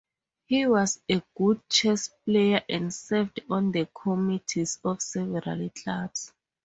He was a good chess player, and served on the committees of several clubs.